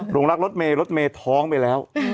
ลงรักรถเมย์รถเมย์ท้องไปแล้ว